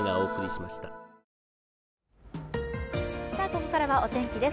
ここからはお天気です。